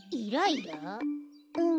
うん。